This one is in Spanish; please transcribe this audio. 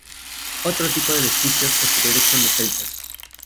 Otro tipo de vestigios posteriores son los celtas.